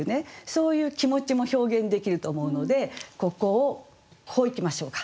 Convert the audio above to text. そういう気持ちも表現できると思うのでここをこういきましょうか。